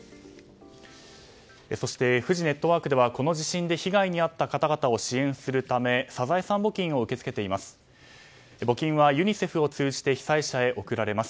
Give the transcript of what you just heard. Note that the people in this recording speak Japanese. そして、フジネットワークではこの地震で被害に遭った方々を支援するためサザエさん募金を受け付けています。